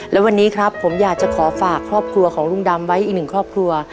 และวันนี้ครับผมอยากจะขอฝากครอบครัวของลุงดำไว้อีกหนึ่งครอบครัว